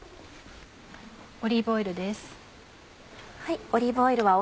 オリーブオイルです。